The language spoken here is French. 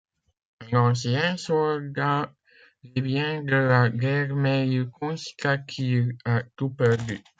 Un ancien soldat revient de la guerre mais il constate qu'il a tout perdu.